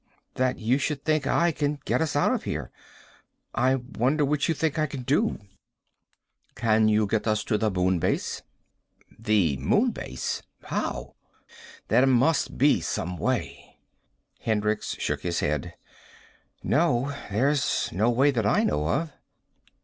"That you should think I can get us out of here. I wonder what you think I can do." "Can you get us to the Moon Base?" "The Moon Base? How?" "There must be some way." Hendricks shook his head. "No. There's no way that I know of."